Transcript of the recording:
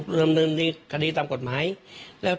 ก็เลยขับรถไปมอบตัว